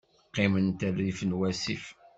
Qqiment rrif n wasif.